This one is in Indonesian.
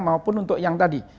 maupun untuk yang tadi